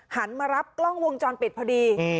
หันมารับกล้องวงจรปิดพอดี